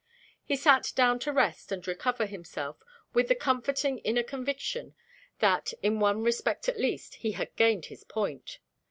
He sat down to rest and recover himself, with the comforting inner conviction that, in one respect at least, he had gained his point.